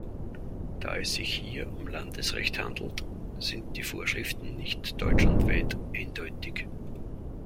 Da es sich hier um Landesrecht handelt, sind die Vorschriften nicht deutschlandweit eindeutig.